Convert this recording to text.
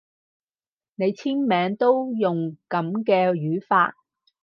你簽名都用噉嘅語法